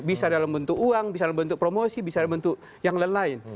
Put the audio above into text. bisa dalam bentuk uang bisa dalam bentuk promosi bisa dalam bentuk yang lain lain